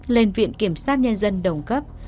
lên viện kiểm sát nhân dân đồng cấp